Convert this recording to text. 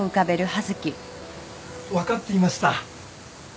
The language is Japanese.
分かっていました。